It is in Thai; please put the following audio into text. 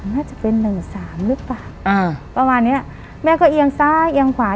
น่าจะเป็นหนึ่งสามหรือเปล่าอ่าประมาณเนี้ยแม่ก็เอียงซ้ายเอียงขวา